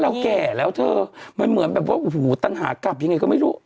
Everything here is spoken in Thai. อ๋อแล้วเราแก่แล้วเธอมันเหมือนแบบว่าตันหากลับยังไงก็ไม่รู้